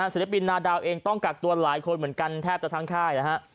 ศิลปินนาดาวเองต้องกักตัวหลายคนเหมือนกันแทบจะทั้งค่ายนะฮะ